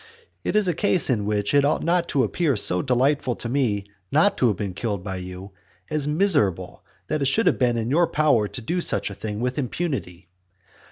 It is a case in which it ought not to appear so delightful to me not to have been killed by you, as miserable, that it should have been in your power to do such a thing with impunity.